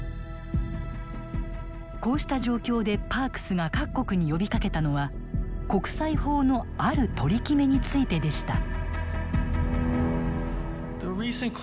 こうした状況でパークスが各国に呼びかけたのは国際法のある取り決めについてでした。